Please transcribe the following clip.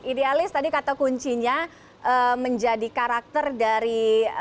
idealis tadi kata kuncinya menjadi karakter dari